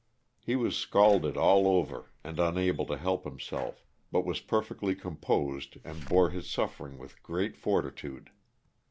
He was scalded all over and unable to help himself, but was perfectly composed and bore his suffering with great fortitude.